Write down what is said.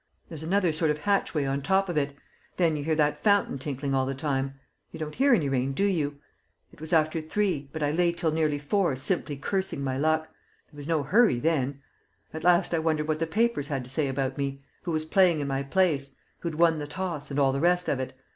There's another sort of hatchway on top of it. Then you hear that fountain tinkling all the time; you don't hear any rain, do you? It was after three, but I lay till nearly four simply cursing my luck; there was no hurry then. At last I wondered what the papers had to say about me who was playing in my place, who'd won the toss and all the rest of it.